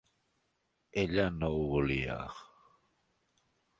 Ella no ho volia.